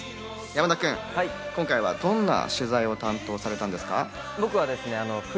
山田君、今回はどんな取材を担当されたんですか？